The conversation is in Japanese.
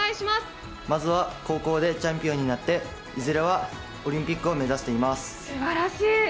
まずは高校でチャンピオンになっていずれはオリンピックを目指しています。